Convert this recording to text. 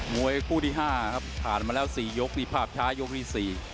มวยคู่ที่๕ครับผ่านมาแล้ว๔ยกนี่ภาพช้ายกที่๔